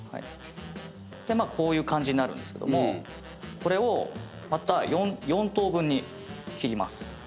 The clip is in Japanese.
まあこういう感じになるんですけどもこれをまた４等分に切ります。